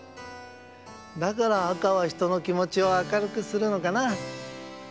だから赤はひとのきもちを明るくするのかな。